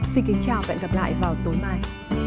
xin kính chào và hẹn gặp lại vào tối mai